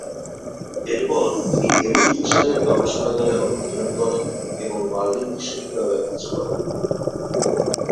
এরপর তিনি এমিল ফিশারের গবেষণাগারে অধ্যয়ন করেন এবং বার্লিন বিশ্ববিদ্যালয়ে কাজ করেন।